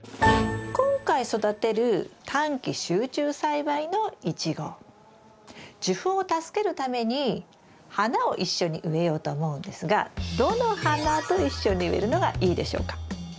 今回育てる短期集中栽培のイチゴ受粉を助けるために花を一緒に植えようと思うんですがどの花と一緒に植えるのがいいでしょうか？